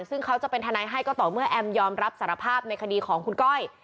ซึ่งเขาจะเป็นทนายให้ก็ต่อเมื่อแอมยอมรับสารภาพในคดีของคุณก้อย